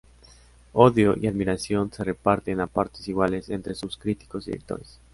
Odio y admiración se reparten a partes iguales entres sus críticos y lectores.